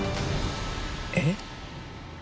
えっ？